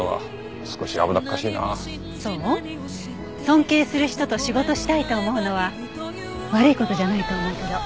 尊敬する人と仕事したいと思うのは悪い事じゃないと思うけど。